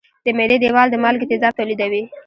د معدې دېوال د مالګي تیزاب تولیدوي.